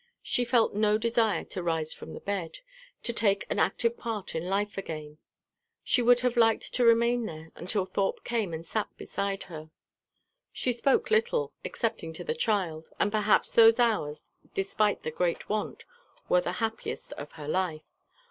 She felt no desire to rise from the bed, to take an active part in life again. She would have liked to remain there until Thorpe came and sat beside her. She spoke little, excepting to the child, and perhaps those hours, despite the great want, were the happiest of her life.